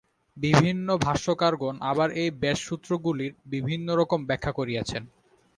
বিভিন্ন ভাষ্যকারগণ আবার এই ব্যাসসূত্রগুলির বিভিন্নরূপ ব্যাখ্যা করিয়াছেন।